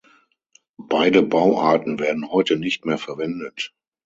Beide Bauarten werden heute nicht mehr verwendet.